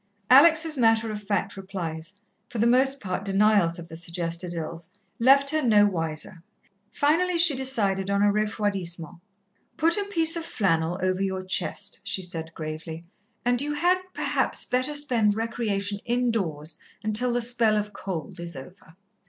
Alex' matter of fact replies, for the most part denials of the suggested ills, left her no wiser. Finally she decided on a refroidissement. "Put a piece of flannel over your chest," she said gravely, "and you had, perhaps, better spend recreation indoors until the spell of cold is over."